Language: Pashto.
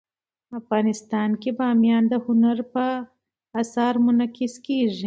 افغانستان کې بامیان د هنر په اثار کې منعکس کېږي.